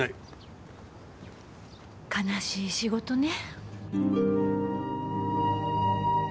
悲しい仕事ね。